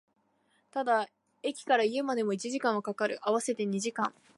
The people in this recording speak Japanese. ただ、駅から家までも一時間は掛かる、合わせて二時間